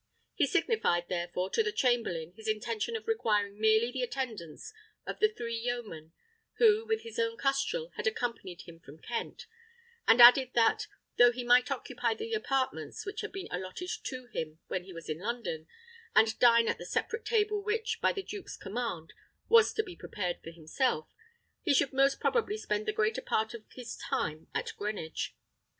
He signified, therefore, to the chamberlain his intention of requiring merely the attendance of the three yeomen, who, with his own custrel, had accompanied him from Kent; and added that, though he might occupy the apartments which had been allotted to him when he was in London, and dine at the separate table which, by the duke's command, was to be prepared for himself, he should most probably spend the greater part of his time at Greenwich.